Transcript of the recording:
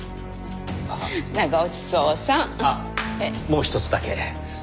もうひとつだけ！